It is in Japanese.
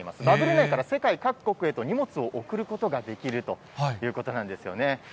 バブル内から世界各国へと荷物を送ることができるということなんですよね。